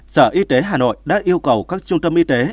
sở y tế hà nội đã yêu cầu các trung tâm y tế